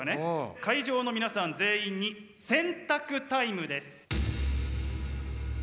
会場の皆さん全員に選択タイムです。